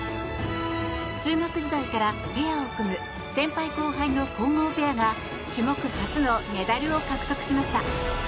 中学時代からペアを組む先輩後輩の混合ペアが種目初のメダルを獲得しました。